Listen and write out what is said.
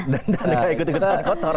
dan gak ikut ikut kotor